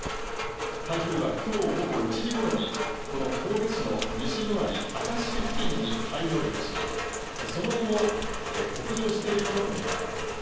台風はきょう午後１時ごろにこの神戸市の西隣、明石市付近に再上陸しその後も北上しているものと見られます。